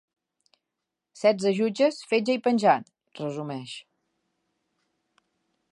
Setze jutges, fetge i penjat —resumeix.